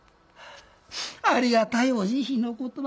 「ありがたいお慈悲の言葉